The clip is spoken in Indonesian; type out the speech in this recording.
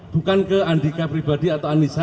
bukan ke andika pribadi atau anissa